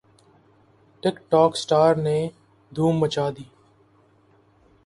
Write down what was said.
ٹک ٹوک سٹارز نے دھوم مچا دی